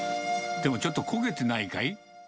でも、ちょっと焦げてないかい？